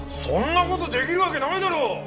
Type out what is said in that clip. そんな事できる訳ないだろう！